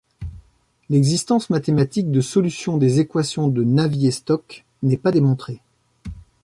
L'existence mathématique de solutions des équations de Navier-Stokes n'est pas démontrée.